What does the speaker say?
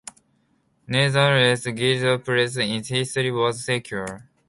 Nevertheless, Guthrie's place in history was secure.